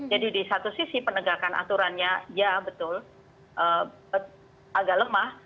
jadi di satu sisi penegakan aturannya ya betul agak lemah